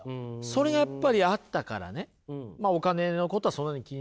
それがやっぱりあったからねお金のことはそんなに気にならなかった。